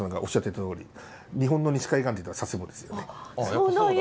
そうなんや。